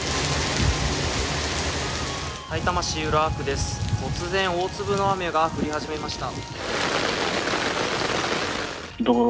さいたま市浦和区です、突然大粒の雨が降りだしました。